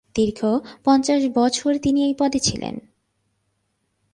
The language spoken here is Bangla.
দীর্ঘ পঞ্চাশ বছর তিনি এই পদে ছিলেন।